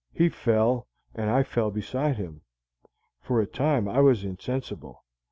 He fell, and I fell beside him. For a time I was insensible.